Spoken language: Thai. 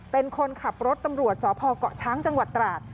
เป็นคนขับรถตำรวจสพเกาะช้างจังหวัดตราด